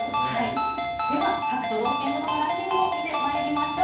では各都道府県ごとのランキングを見てまいりましょう。